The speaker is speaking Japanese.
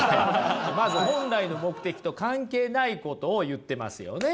まず本来の目的と関係ないことを言ってますよね？